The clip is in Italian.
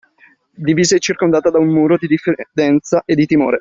Divisa e circondata da un muro di diffidenza e di timore.